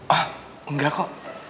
ah enggak kok